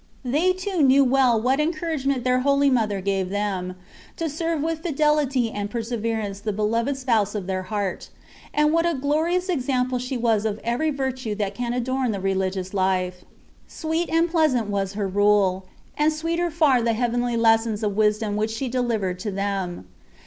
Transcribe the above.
f They, too, knew well what encouragement their Holy Mother gave them, to serve with fidelity and perseverance the beloved Spouse of their heart, and what a glorious example she was of every virtue that can adorn the religious life. Sweet and pleasant was her rule, and sweeter far the heavenly lessons of wis dom which she delivered to them.